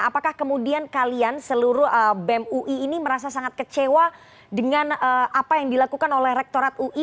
apakah kemudian kalian seluruh bem ui ini merasa sangat kecewa dengan apa yang dilakukan oleh rektorat ui